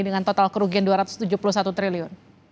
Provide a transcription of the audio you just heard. dengan total kerugian dua ratus tujuh puluh satu triliun